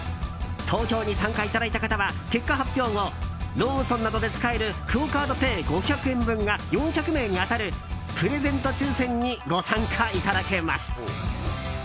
投票に参加いただいた方は結果発表後ローソンなどで使えるクオ・カードペイ５００円分が４００名に当たるプレゼント抽選にご参加いただけます。